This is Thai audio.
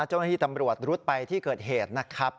เจ้าหน้าที่ตำรวจรุดไปที่เกิดเหตุนะครับ